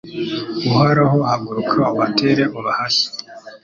Uhoraho haguruka Ubatere ubahashye